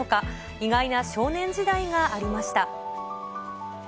意外な少年時代がありました。